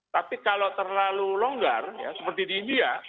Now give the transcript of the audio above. tapi kalau terlalu longgar ya seperti di india